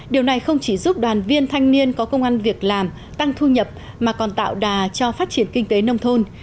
điều này không chỉ giúp đoàn viên thanh niên có công an việc làm tăng thu nhập mà còn tạo đà cho phát triển kinh tế nông thôn